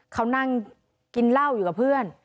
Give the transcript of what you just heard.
เขานั่งกินเหล้าอยู่กับเพื่อน